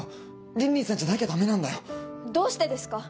凜々さんじゃなきゃダメなんだよどうしてですか？